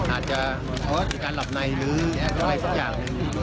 อาจจะมีการหลับไนหรือก็อะไรสักอย่างหนึ่ง